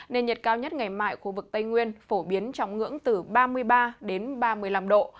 nên nhiệt cao nhất ngày mai ở khu vực tây nguyên phổ biến trong ngưỡng từ ba mươi ba đến ba mươi năm độ